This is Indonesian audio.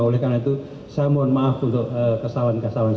oleh karena itu saya mohon maaf untuk kesalahan kesalahan